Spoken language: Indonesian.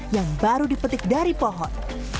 yang baru dipetik dari pohon